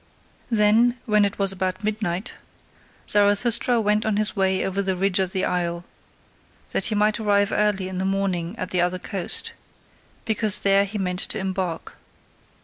Then, when it was about midnight, Zarathustra went his way over the ridge of the isle, that he might arrive early in the morning at the other coast; because there he meant to embark.